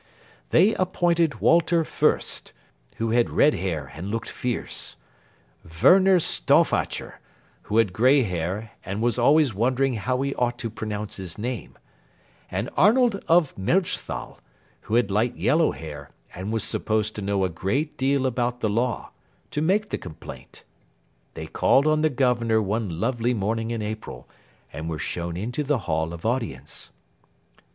They appointed Walter Fürst, who had red hair and looked fierce; Werner Stauffacher, who had gray hair and was always wondering how he ought to pronounce his name; and Arnold of Melchthal, who had light yellow hair and was supposed to know a great deal about the law, to make the complaint. They called on the Governor one lovely morning in April, and were shown into the Hall of Audience.